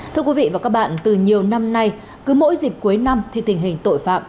thưa quý vị và các bạn từ nhiều năm nay cứ mỗi dịp cuối năm thì tình hình tội phạm